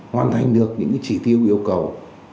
hoàn thành được những chỉ tiêu yêu cầu